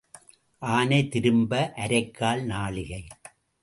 ஆனை திரும்ப அரைக்கால் நாழிகை.